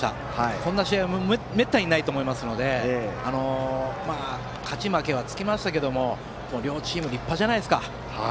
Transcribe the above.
こんな試合はめったにないと思いますので勝ち負けはつきましたけれども両チーム、立派じゃないですか。